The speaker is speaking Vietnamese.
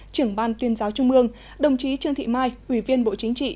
trưởng ban tuyên giáo trung mương đồng chí trương thị mai ủy viên bộ chính trị